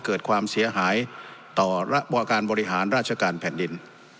เกิดความเสียหายต่อระบอการบริหารราชการแผ่นดิน